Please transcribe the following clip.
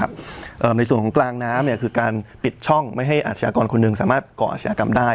ในส่วนของกลางน้ำเนี่ยคือการปิดช่องไม่ให้อาชญากรคนหนึ่งสามารถก่ออาชญากรรมได้